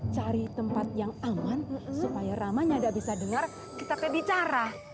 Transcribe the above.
cari tempat yang aman supaya ramanya gak bisa dengar kita berbicara